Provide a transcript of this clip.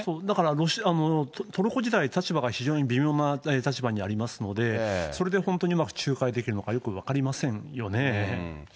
だからトルコ自体、立場が非常に微妙な立場にありますので、それで本当にうまく仲介できるのかよく分かりませんよね。